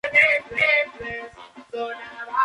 Björn Engels